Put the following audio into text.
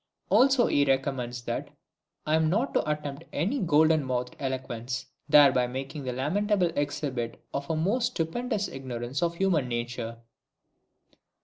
Also he recommends that I am not to attempt any golden mouthed eloquence, thereby making the lamentable exhibit of a most stupendous ignorance of human nature!